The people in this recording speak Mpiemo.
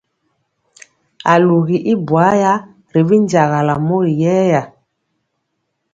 Alugi y buaya ri binjagala mori yɛɛya.